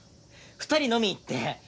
２人飲み行ってあの